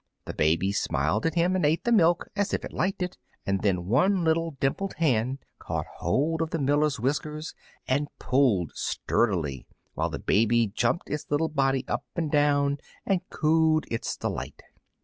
The baby smiled at him and ate the milk as if it liked it, and then one little dimpled hand caught hold of the miller's whiskers and pulled sturdily, while the baby jumped its little body up and down and cooed its delight.